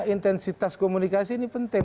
intensitas komunikasi ini penting